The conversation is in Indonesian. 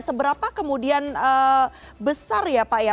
seberapa kemudian besar ya pak ya